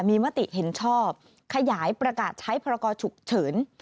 มีมติเห็นชอบขยายประกาศใช้พรกรฉุกเฉิน